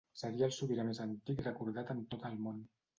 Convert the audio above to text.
Seria el sobirà més antic recordat en tot el món.